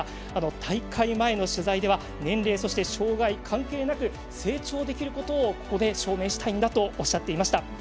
大会前の取材では年齢、そして障がい関係なく成長できることをここで証明したいんだということをおっしゃっていました。